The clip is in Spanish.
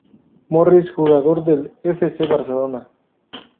Morris, jugador del F. C. Barcelona.